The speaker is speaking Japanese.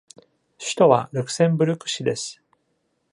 首都はルクセンブルク市です。